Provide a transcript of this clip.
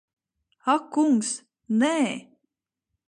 Ak kungs, nē.